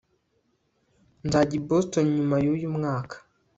nzajya i boston nyuma yuyu mwaka